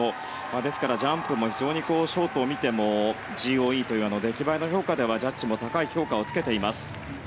ですから、ジャンプも非常にショートを見てもＧＯＥ、出来栄えの評価ではジャッジも高い評価をつけています。